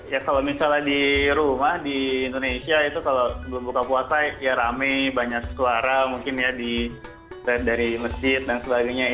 ya kalau misalnya di rumah di indonesia itu kalau belum buka puasa ya rame banyak suara mungkin ya dari masjid dan sebagainya